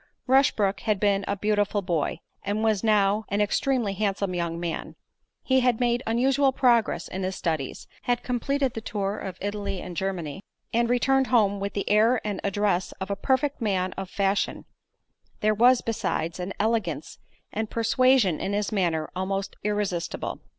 Rushbrook had been a beautiful boy, and was now an extremely handsome young man; he had made unusual progress in his studies, had completed the tour of Italy and Germany, and returned home with the air and address of a perfect man of fashion—there was, besides, an elegance and persuasion in his manner almost irresistible.